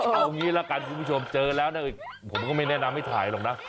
เอางี้ละกันคุณผู้ชมเจอแล้วนะผมก็ไม่แนะนำให้ถ่ายหรอกนะ